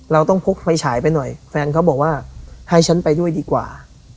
เราต้องพกไฟฉายไปหน่อยแฟนเขาบอกว่าให้ฉันไปด้วยดีกว่า